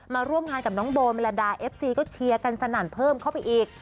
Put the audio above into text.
มาร่วมงานกับน้องโบเมลดาเอฟซีก็เชียร์กันสนั่นเพิ่มเข้าไปอีก